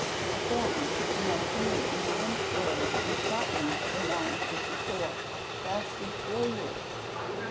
A famine, commencing in England, Wales, and Scotland, in 954, lasted four years.